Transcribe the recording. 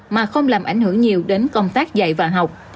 mà không làm ảnh hưởng nhiều đến công tác dạy và học